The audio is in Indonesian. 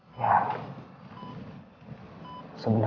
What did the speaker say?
pelatih akal b change anda